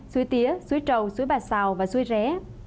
suối tía suối trầu suối bạch sào suối ré